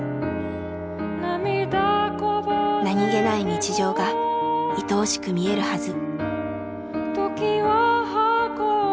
何気ない日常がいとおしく見えるはず。